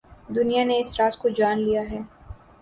دنیا نے اس راز کو جان لیا ہے۔